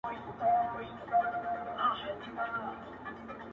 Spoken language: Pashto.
بهرني ځواکونه راپورونه جوړوي ډېر ژر،